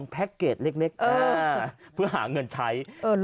แพ็คเกจเล็กเพื่อหาเงินใช้